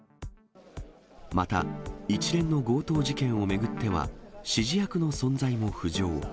また、一連の強盗事件を巡っては指示役の存在も浮上。